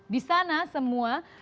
di sana semua